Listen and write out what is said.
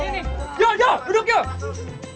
kenapa sih pada lari